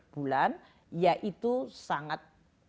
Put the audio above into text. bulan ya itu sangat